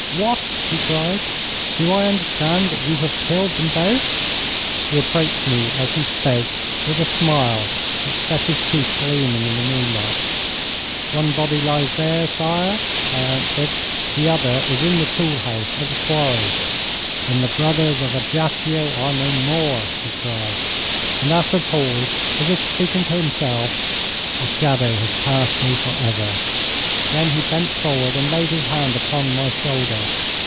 'What!' he cried. 'Do I understand that you have killed them both?' He approached me as he spoke with a smile which set his teeth gleaming in the moonlight. 'One body lies there, sire,' I answered. 'The other is in the tool house at the quarry.' 'Then the Brothers of Ajaccio are no more,' he cried, and after a pause, as if speaking to himself: 'The shadow has passed me for ever.' Then he bent forward and laid his hand upon my shoulder.